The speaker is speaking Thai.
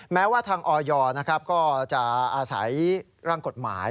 แม้ว่าทางออยก็จะอาศัยร่างกฎหมาย